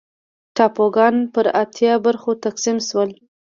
ټاپوګان پر اتیا برخو تقسیم شول.